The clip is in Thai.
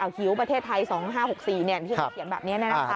อ่ะหิวประเทศไทย๒๕๖๔เนี่ยเขียนแบบนี้นะครับ